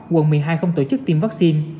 quận một mươi hai không tổ chức tiêm vaccine